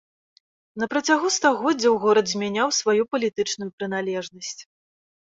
На працягу стагоддзяў горад змяняў сваю палітычную прыналежнасць.